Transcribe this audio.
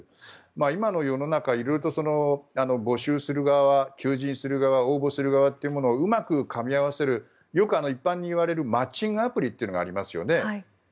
今の世の中、募集する側求人する側応募する側というものをうまくかみ合わせるよく一般にいわれるマッチングアプリというのがありますよね。